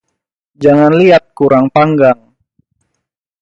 Jangat liat kurang panggang